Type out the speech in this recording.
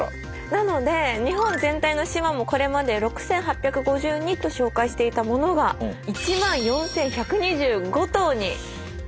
なので日本全体の島もこれまで６，８５２と紹介していたものが１万４，１２５島になりました。